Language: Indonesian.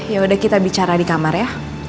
ya udah kita bicara di kamar ya